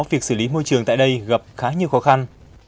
việc xử lý môi trường tại đây gặp khá nhiều khó khăn